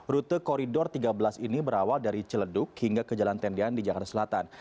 rute koridor tiga belas ini berawal dari celeduk hingga ke jalan tendian di jakarta selatan